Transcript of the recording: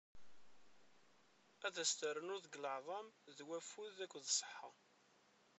Ad as-ternu deg leɛḍam d wafud akked ṣṣeḥḥa.